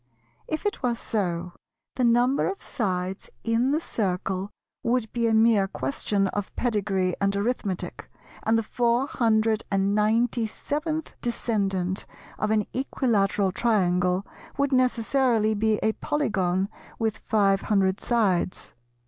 If it were so, the number of sides in the Circle would be a mere question of pedigree and arithmetic, and the four hundred and ninety seventh descendant of an Equilateral Triangle would necessarily be a polygon with five hundred sides.